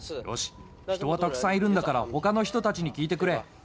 人はたくさんいるんだから、ほかの人たちに聞いてくれ。